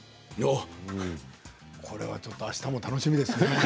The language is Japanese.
これはあしたも楽しみですね。